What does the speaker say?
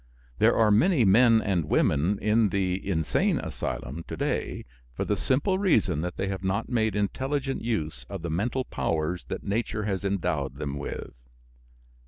There are many men and women in the insane asylum to day for the simple reason that they have not made intelligent use of the mental powers that nature has endowed them with.